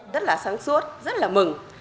rất là sáng suốt rất là mừng